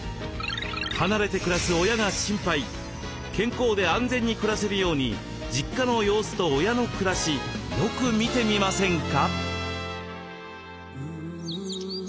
健康で安全に暮らせるように実家の様子と親の暮らしよく見てみませんか？